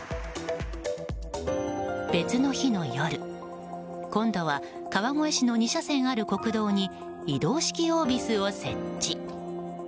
別の日の夜今度は川越市の２車線ある国道に移動式オービスを設置。